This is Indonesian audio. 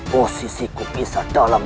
posisiku bisa dalam